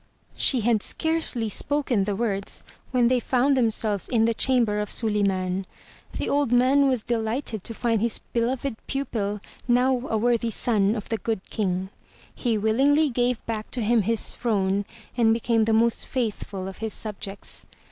She had scarcely spoken the words, when they found them selves in the chamber of Suliman. The old man was delighted to find his beloved pupil now a worthy son of the Good King. He willingly gave back to him his throne and became the most faithful of his subjects.